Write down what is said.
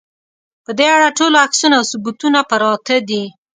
په دې اړه ټول عکسونه او ثبوتونه پراته دي.